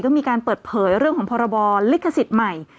ก็มีการเปิดเผยเรื่องของพรบลิขสิทธิ์ใหม่